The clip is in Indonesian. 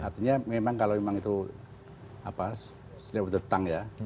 artinya memang kalau itu seribu tetang ya